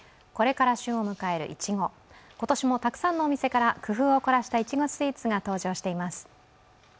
これから旬を迎えるいちご、今年もたくさんのお店から工夫を凝らしたいちごスイーツが登場しています。